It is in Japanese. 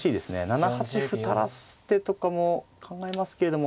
７八歩垂らす手とかも考えますけれども。